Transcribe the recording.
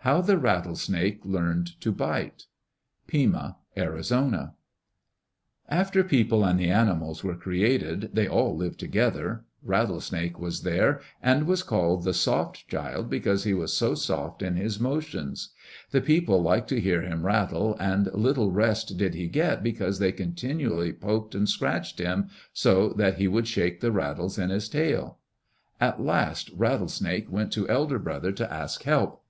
How the Rattlesnake Learned to Bite Pima (Arizona) After people and the animals were created, they all lived together. Rattlesnake was there, and was called Soft Child because he was so soft in his motions. The people liked to hear him rattle and little rest did he get because they continually poked and scratched him so that he would shake the rattles in his tail. At last Rattlesnake went to Elder Brother to ask help.